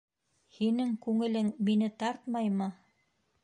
Һинең күңелең мине тартмаймы!